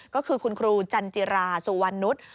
ก็คือคุณครูจันจิราสุวรรณนุษย์